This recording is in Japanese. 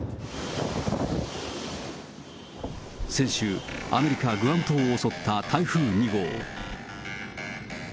先週、アメリカ・グアム島を襲った台風２号。